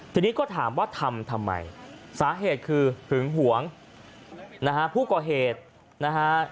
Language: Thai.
ทีนี้ก็ถามว่าทำทำไมสาเหตุคือหึงหวงนะฮะผู้ก่อเหตุนะฮะ